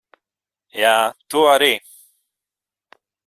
Jā, tu arī.